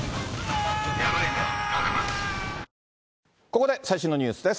ここで最新のニュースです。